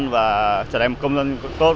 và trở thành một công dân tốt